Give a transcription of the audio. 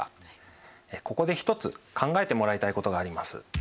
ここで一つ考えてもらいたいことがあります。